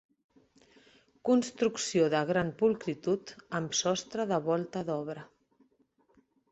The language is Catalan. Construcció de gran pulcritud amb sostre de volta d'obra.